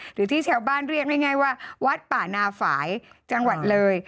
หรือที่ชาวบ้านเรียกง่ายว่าวัดป่านาฝ่ายจังหวัดเลย